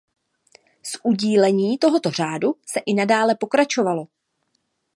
V udílení tohoto řádu se i nadále pokračovalo.